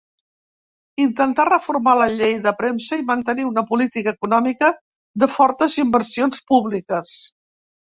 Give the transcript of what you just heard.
Intentà reformar la llei de premsa i mantenir una política econòmica de fortes inversions públiques.